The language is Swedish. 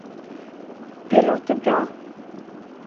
Det låter bra.